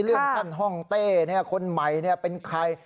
เรื่องท่านห้องเต้เนี่ยคนใหม่เนี่ยเป็นใคร